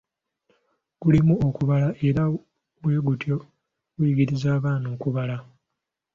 Gulimu okubala era bwe gutyo guyigiriza abaana okubala.